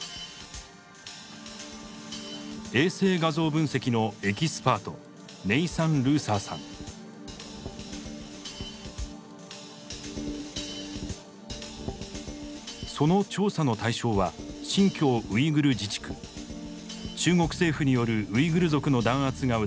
衛星画像分析のエキスパートその調査の対象は中国政府によるウイグル族の弾圧が疑われています。